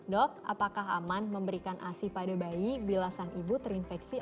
dok apakah aman memberikan asi pada bayi bila sang ibu terinfeksi